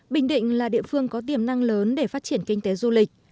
bình định là địa phương có tiềm năng lớn để phát triển kinh tế du lịch